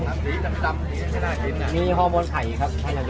ราคาสองนี้หลายสองนี้หลาย